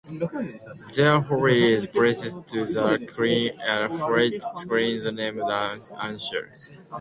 There, Holly is presented to the queen, a white sorceress named Ayesha.